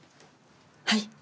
はい？